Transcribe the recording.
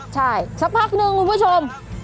ใช่สักพักนึงคุณผู้ชม